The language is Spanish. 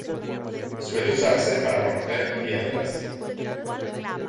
Suele usarse para romper piedras.